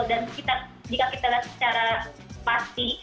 dan kita jika kita lihat secara pasti